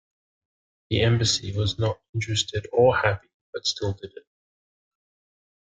The Embassy was not "interested or happy" but still did it.